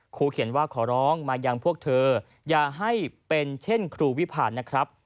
เขียนว่าขอร้องมายังพวกเธออย่าให้เป็นเช่นครูวิพาณนะครับ